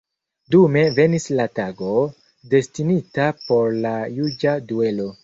Dume venis la tago, destinita por la juĝa duelo.